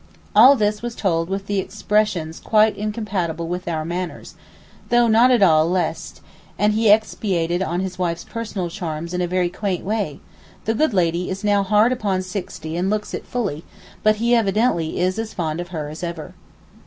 All this was told with expressions quite incompatible with our manners, though not at all leste—and he expatiated on his wife's personal charms in a very quaint way; the good lady is now hard upon sixty and looks it fully; but he evidently is as fond of her as ever.